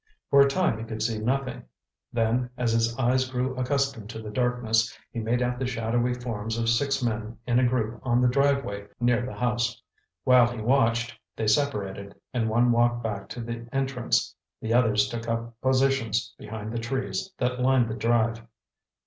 For a time he could see nothing. Then as his eyes grew accustomed to the darkness, he made out the shadowy forms of six men in a group on the driveway near the house. While he watched, they separated, and one walked back to the entrance, the others took up positions behind the trees that lined the drive.